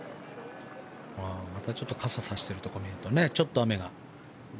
またちょっと傘を差しているところを見るとちょっと雨が。